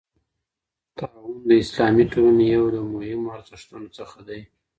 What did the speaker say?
تعاون د اسلامي ټولني یو له مهمو ارزښتونو څخه دی.